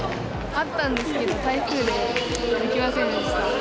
あったんですけど、台風でできませんでした。